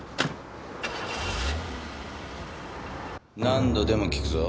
何度でも訊くぞ。